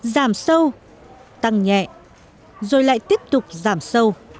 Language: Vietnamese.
giảm sâu tăng nhẹ rồi lại tiếp tục giảm sâu